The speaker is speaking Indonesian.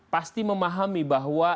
pasti memahami bahwa